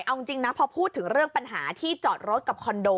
เอาจริงนะพอพูดถึงเรื่องปัญหาที่จอดรถกับคอนโด